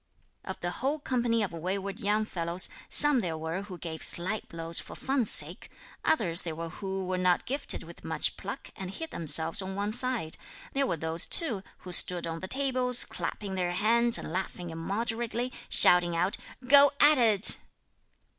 Of the whole company of wayward young fellows, some there were who gave sly blows for fun's sake; others there were who were not gifted with much pluck and hid themselves on one side; there were those too who stood on the tables, clapping their hands and laughing immoderately, shouting out: "Go at it."